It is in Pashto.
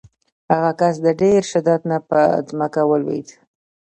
هغه کس د ډېر شدت نه په ځمکه ولویېد.